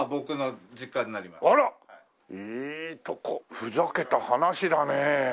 ふざけた話だねえ。